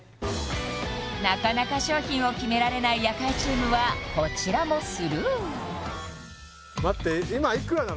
なかなか商品を決められない夜会チームはこちらもスルー待って今いくらなの？